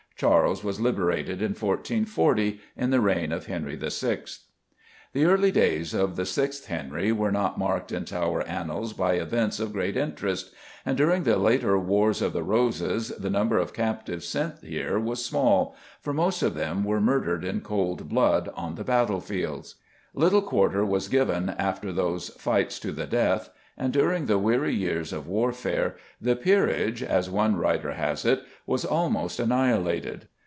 Charles was liberated in 1440, in the reign of Henry VI. The early days of the sixth Henry were not marked in Tower annals by events of great interest, and during the later Wars of the Roses the number of captives sent here was small, for most of them were murdered in cold blood, on the battlefields. Little quarter was given after those fights to the death, and during the weary years of warfare the peerage, as one writer has it, "was almost annihilated."